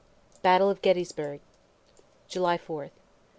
BATTLE OF GETTYSBURG July 4th.